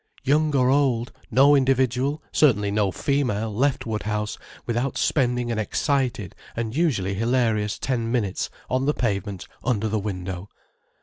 Young or old, no individual, certainly no female left Woodhouse without spending an excited and usually hilarious ten minutes on the pavement under the window.